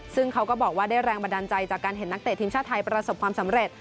ซึ่งเขาก็บอกว่าได้แรงบันดาลใจจากการเห็นนักเตะทีมชาติไทยประสบความสำเร็จ